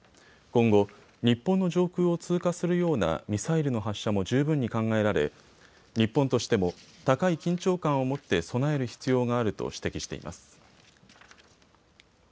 今後日本の上空を通過するようなミサイルの発射も十分に考えられ日本としても高い緊張感を持って備える必要があると指摘しています。